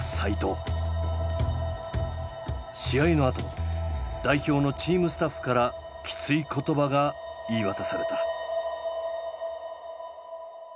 試合のあと代表のチームスタッフからきつい言葉が言い渡された。